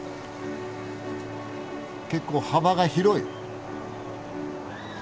結構幅が広い。